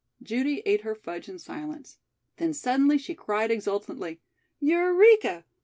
Judy ate her fudge in silence. Then suddenly she cried exultantly. "Eureka!